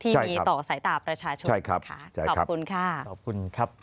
ที่มีต่อสายตาประชาชนนะคะขอบคุณค่ะขอบคุณครับ